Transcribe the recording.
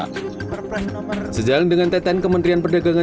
sejalan dengan teten kementerian perdagangan juga akan mengatur proses perdagangan